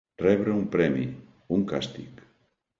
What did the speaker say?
Rebre un premi, un càstig.